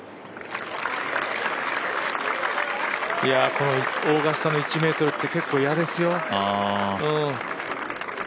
このオーガスタの１ｍって結構いやですよ。